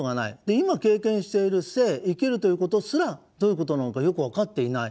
今経験している生生きるということすらどういうことなのかよく分かっていない。